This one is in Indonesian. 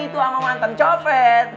itu sama mantan copet